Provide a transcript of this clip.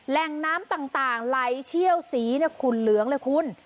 แหล่งน้ำต่างไหลเชี่ยวสีขุนเหลืองเลยคุณ